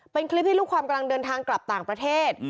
เป็นคลิปที่ลูกความกำลังเดินทางกลับต่างประเทศ